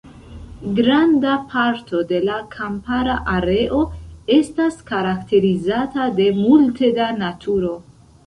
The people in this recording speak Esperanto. Granda parto de la kampara areo estas karakterizata de multe da naturo.